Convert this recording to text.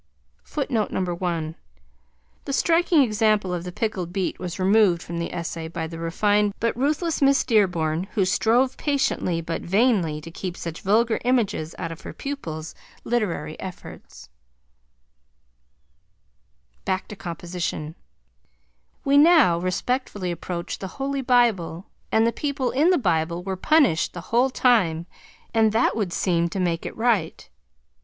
(The striking example of the pickled beet was removed from the essay by the refined but ruthless Miss Dearborn, who strove patiently, but vainly, to keep such vulgar images out of her pupils' literary efforts.) We now respectfully approach the Holy Bible and the people in the Bible were punished the whole time, and that would seem to make it right.